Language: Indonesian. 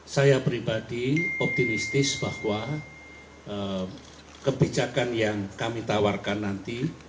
saya pribadi optimistis bahwa kebijakan yang kami tawarkan nanti